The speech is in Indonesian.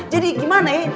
jadi gimana ya